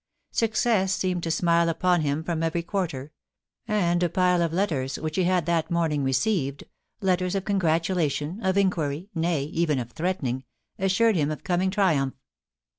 Success seemed to smile upon him from every quarter ; and a pile of letters which he had that morning received — ^letters of congratula tion, of inquiry, nay, even of threatening — assured him of coming triumph.